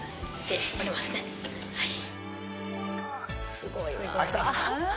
すごいわ。